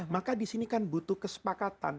maka di sini kan butuh kesepakatan